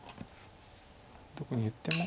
どこに打っても。